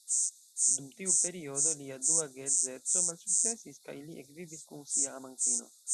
Dum tiu periodo, lia dua geedzeco malsukcesis kaj li ekvivis kun sia amantino.